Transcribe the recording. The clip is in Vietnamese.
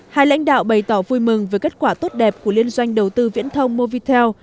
hai lãnh đạo bày tỏ vui mừng về kết quả tốt đẹp của liên doanh đầu tư viễn thông movitel